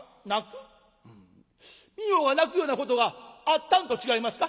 みよが泣くようなことがあったんと違いますか？」。